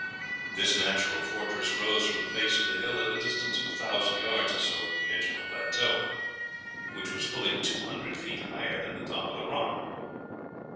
"This natural fortress rose from the face of the hill at a distance of a thousand yards or so from the edge of the plateau, which was fully two hundred feet higher than the top of the rock.